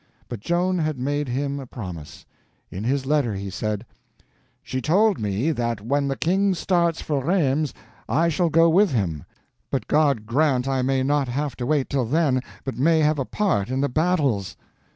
But Joan had made him a promise. In his letter he said: "She told me that when the King starts for Rheims I shall go with him. But God grant I may not have to wait till then, but may have a part in the battles!"